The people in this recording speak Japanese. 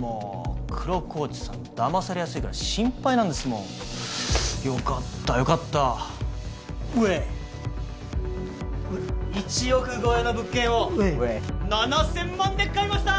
もう黒河内さんだまされやすいから心配なんですもんよかったよかったウエーイウエッ１億超えの物件を７０００万で買いました！